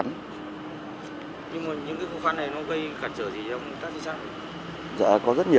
nhưng mà những cái khó khăn này nó gây cản trở gì cho công tác trinh sát